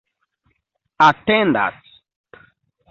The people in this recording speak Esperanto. atendas